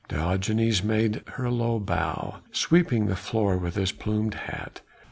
Diogenes made her a low bow, sweeping the floor with his plumed hat.